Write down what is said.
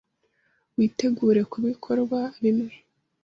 Witegure kubikorwa bimwe.